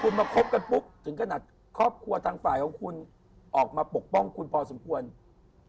คุณมาคบกันปุ๊บถึงขนาดครอบครัวทางฝ่ายของคุณออกมาปกป้องคุณพอสมควร